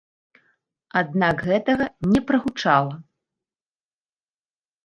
Аднак гэтага не прагучала.